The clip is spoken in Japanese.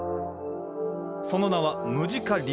その名は「ムジカリブロ」。